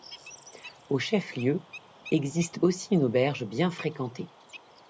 Au chef-lieu existe aussi une auberge bien fréquentée.